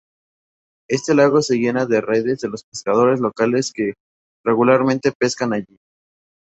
Este lago se llena de redes de los pescadores locales que regularmente pescan allí.